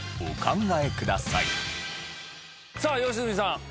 さあ良純さん